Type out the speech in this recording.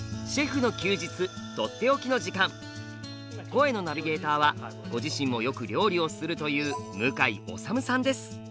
声のナビゲーターはご自身もよく料理をするという向井理さんです。